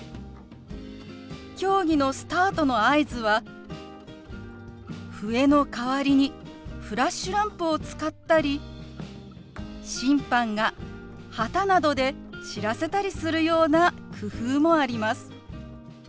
競技のスタートの合図は笛の代わりにフラッシュランプを使ったり審判が旗などで知らせたりするような工夫もあります。